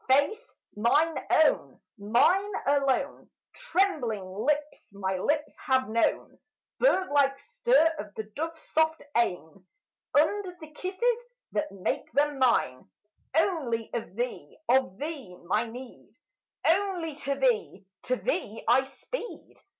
"Face, mine own, mine alone, Trembling lips my lips have known, Birdlike stir of the dove soft eyne Under the kisses that make them mine! Only of thee, of thee, my need! Only to thee, to thee, I speed!"